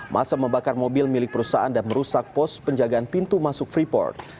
masa membakar mobil milik perusahaan dan merusak pos penjagaan pintu masuk freeport